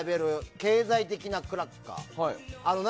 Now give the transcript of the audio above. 経済的なクラッカー。